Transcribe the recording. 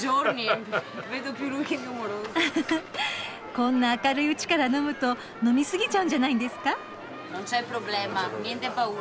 こんな明るいうちから飲むと飲みすぎちゃうんじゃないんですか？